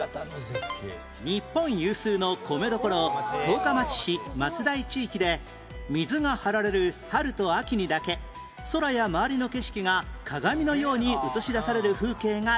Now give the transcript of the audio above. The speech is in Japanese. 日本有数の米どころ十日町市松代地域で水が張られる春と秋にだけ空や周りの景色が鏡のように映し出される風景が大人気